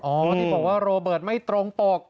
ที่บอกว่าโรเบิร์ตไม่ตรงปก